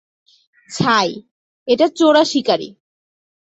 ছাই - এটা চোরাশিকারি।